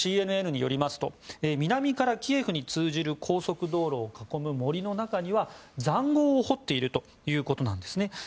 ＣＮＮによりますと南からキエフに通じる高速道路を囲む森の中には、塹壕を掘っているということなんですね。